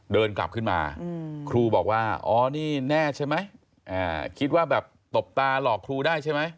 เดินกลับขึ้นมาครูบอกว่าอ๋อนี่แน่ใช่ไหมคิดว่าแบบตบตาหลอกครูได้ใช่ไหม